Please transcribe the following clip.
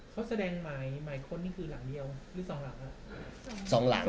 เขาแสดงหมายคนที่คือหลังเดียวหรือสองหลังล่ะ